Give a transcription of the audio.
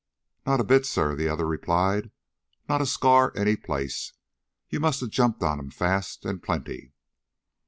"Not a bit, sir," the other replied. "Not a scar any place. You must have jumped on him fast, and plenty."